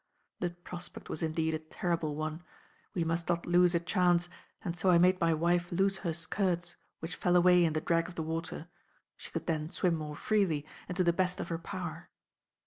The prospect was indeed a terrible one. We must not lose a chance, and so I made my wife loose her skirts which fell away in the drag of the water; she could then swim more freely and to the best of her power.